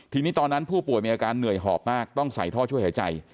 ทีนี้ตอนนั้นผู้ป่วยมีอาการเหนื่อยหอบมากต้องใส่ท่อช่วยหายใจ